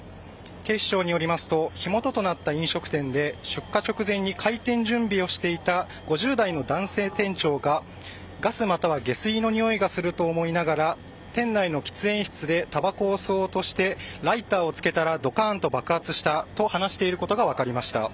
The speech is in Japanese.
警視庁によりますと火元となった飲食店で出火直前に開店準備をしていた５０代の男性店長がガスまたは下水のにおいがすると思いながら店内の喫煙室でたばこを吸おうとしてライターをつけたらドカーンと爆発したと話していることが分かりました。